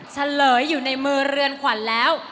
เฉลยอยู่ในมือเรือนขวัญแล้ว